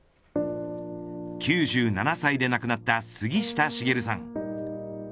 ９７歳で亡くなった杉下茂さん。